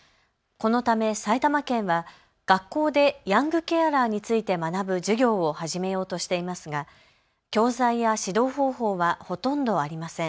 このため埼玉県は学校でヤングケアラーについて学ぶ授業を始めようとしていますが教材や指導方法はほとんどありません。